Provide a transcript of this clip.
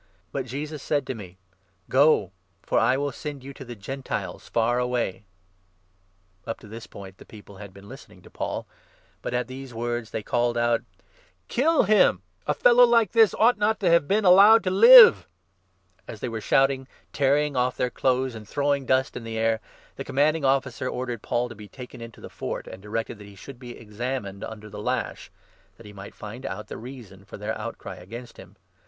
But Jesus said to me ' Go ; for I will send you to the Gentiles 21 far away '." Paul's claim ^P to this Pomt the people had been listening 22 as a Roman to Paul, but at these words they called out : citizen. « j^ill fo\m \ A fellow like this ought not to have been allowed to live !" As they were shouting, tearing off their clothes, and throwing 23 dust in the air, the Commanding Officer ordered Paul to be 24 taken into the Fort, and directed that he should be examined under the lash, that he might find out the reason for their outcry against him.